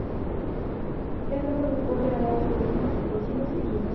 Es un gran productor de ganados Bovinos, Porcinos y Equinos.